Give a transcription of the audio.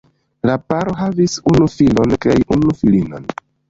La paro havis unu filon kaj unu filinon.